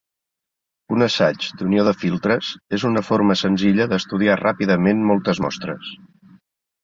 Un assaig d'unió de filtres és una forma senzilla d'estudiar ràpidament moltes mostres.